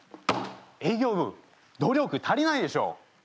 営業部努力足りないでしょう！